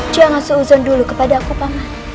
jangan seuzon dulu kepada aku paman